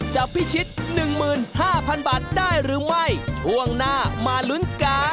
พิชิต๑๕๐๐๐บาทได้หรือไม่ช่วงหน้ามาลุ้นกัน